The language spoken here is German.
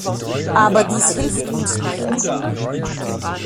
Aber dies hilft uns nicht.